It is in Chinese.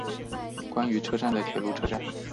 关内车站的铁路车站。